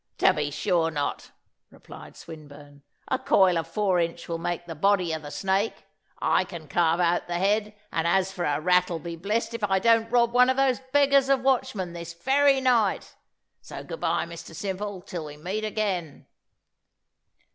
"To be sure not," replied Swinburne; "a coil of four inch will make the body of the snake; I can carve out the head; and as for a rattle be blessed if I don't rob one of those beggars of watchmen this very night! So good bye, Mr Simple, till we meet again."